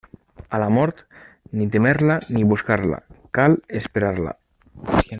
A la mort, ni témer-la ni buscar-la: cal esperar-la.